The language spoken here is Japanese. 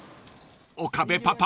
［岡部パパ